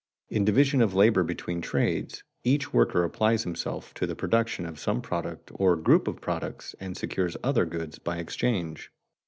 _ In division of labor between trades, each worker applies himself to the production of some product or group of products and secures other goods by exchange.